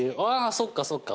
そっかそっか！